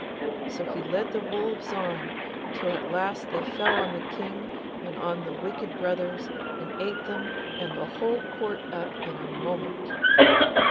So he led the wolves on, till at last they fell on the King and on the wicked brothers, and ate them and the whole Court up in a moment.